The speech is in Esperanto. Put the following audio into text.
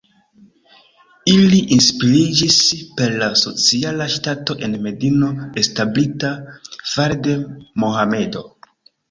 Ili inspiriĝis per la sociala ŝtato en Medino establita fare de Mohamedo.